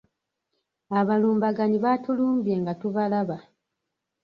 Abalumbaganyi baatulumbye nga tubalaba.